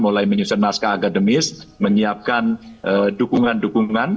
mulai menyusun naskah akademis menyiapkan dukungan dukungan